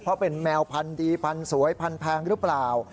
เพราะเป็นแมวพันธุ์ดีพันธุ์สวยพันธแพงหรือเปล่า